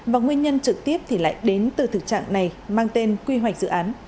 và nguyên nhân trực tiếp thì lại đến từ thực trạng này mang tên quy hoạch dự án